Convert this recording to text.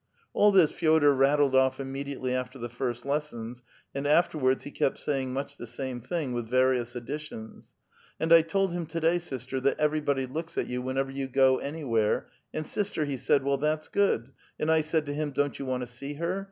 " All this Fe6dor rattled off immediately after the first lesson, and afterwards he kept saying much the same thing with various additions :'* And I told him to day, sister, that *■ everybody looks at you whenever you go anywhere,' and, sister, he said, * AVell, that's good '; and I said to him, ' Don't you want to see her?'